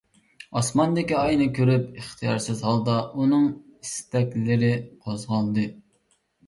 ئاسماندىكى ئاينى كۆرۈپ ئىختىيارسىز ھالدا ئۇنىڭ ئىستەكلىرى قوزغالدى.